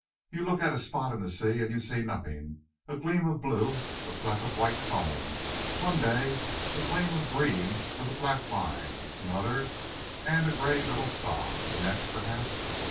You look at a spot in the sea and you see nothing a gleam of blue, a fleck of white foam, one day; a gleam of green with a black line, another; and a grey little sob, the next, perhaps.